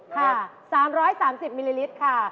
ค่ะ๓๓๐มิลลิลิตรค่ะ